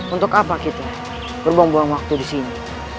untuk apa kita berbuang buang waktu disini